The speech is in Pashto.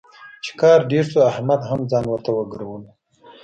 چې کار ډېر شو، احمد هم ځان ورته وګرولو.